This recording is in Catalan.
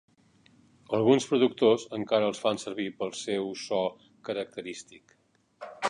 Alguns productors encara els fan servir pel seu so característic.